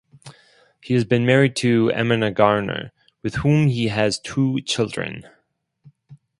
He has been married to Amina Garner with whom he has two children.